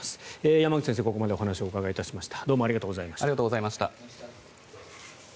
山口先生にここまでお話をお伺いしました。